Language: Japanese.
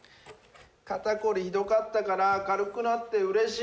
肩凝りひどかったから軽くなってうれしい。